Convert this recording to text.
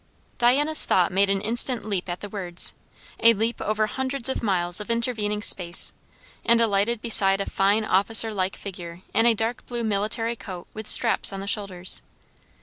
Diana's thought made an instant leap at the words, a leap over hundreds of miles of intervening space, and alighted beside a fine officer like figure in a dark blue military coat with straps on the shoulders.